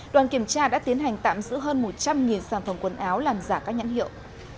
đoàn kiểm tra đã tiến hành tạm giữ hơn một trăm linh sản phẩm quần áo làm giả các nhãn hiệu